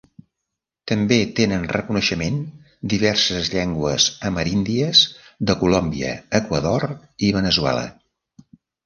També tenen reconeixement diverses llengües ameríndies de Colòmbia, Equador i Veneçuela.